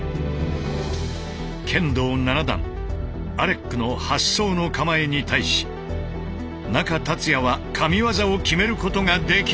剣道７段アレックの「八相の構え」に対し中達也は神技を決めることができるのか。